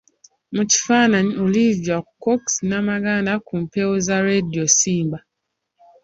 Mu kifaananyi, Olivia Cox Namaganda ku mpewo za Radio Simba.